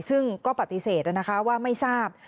ซึ่งก็ปฏิเสธนะคะว่าไม่ทราบ